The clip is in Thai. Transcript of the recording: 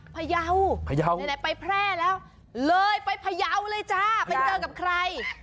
พยาวพยาวไหนไปแพร่แล้วเลยไปพยาวเลยจ้าไปเจอกับใคร